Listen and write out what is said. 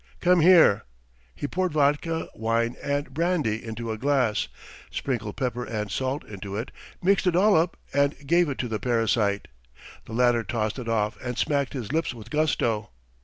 Come here!" He poured vodka, wine, and brandy into a glass, sprinkled pepper and salt into it, mixed it all up and gave it to the parasite. The latter tossed it off and smacked his lips with gusto.